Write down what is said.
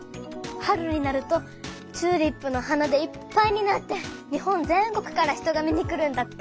春になるとチューリップの花でいっぱいになって日本全国から人が見に来るんだって。